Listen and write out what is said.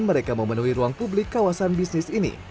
mereka memenuhi ruang publik kawasan bisnis ini